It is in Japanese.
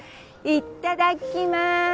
いただきます。